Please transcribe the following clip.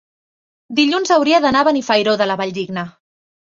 Dilluns hauria d'anar a Benifairó de la Valldigna.